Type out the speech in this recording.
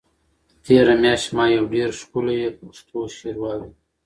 تېره میاشت ما یو ډېر ښکلی پښتو شعر واورېد.